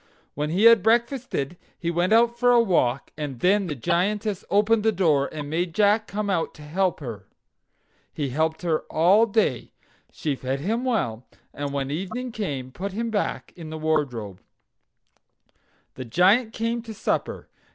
When he had breakfasted he went out for a walk, and then the Giantess opened the door, and made Jack come out to help her. He helped her all day. She fed him well, and when evening came put him back in the wardrobe. The Giant came in to supper.